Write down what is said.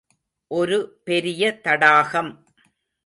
ஒரு பெரிய தடாகம்.